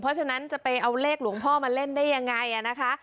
เพราะฉะนั้นจะไปเอาเลขหลวงพ่อมาเล่นได้ยังไงนะคะ